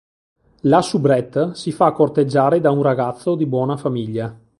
La soubrette si fa corteggiare da un ragazzo di buona famiglia.